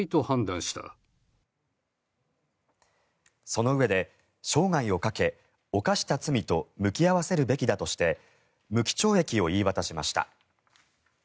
そのうえで生涯をかけ犯した罪と向き合わせるべきだとして無期懲役を言い渡しました。